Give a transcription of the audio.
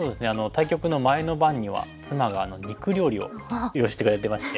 対局の前の晩には妻が肉料理を用意してくれてまして。